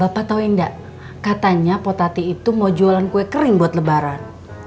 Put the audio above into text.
bapak tau nggak katanya potati itu mau jualan kue kering buat lebaran